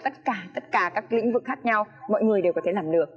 tất cả các lĩnh vực khác nhau mọi người đều có thể làm được